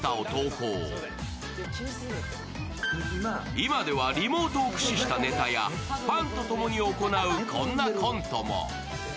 今ではリモートを駆使したネタや、ファンとともに行うこんなコントも。